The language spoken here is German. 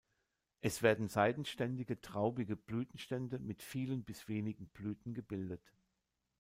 Es werden seitenständige traubige Blütenstände mit vielen bis wenigen Blüten gebildet.